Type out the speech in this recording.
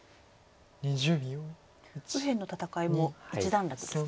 右辺の戦いも一段落ですか？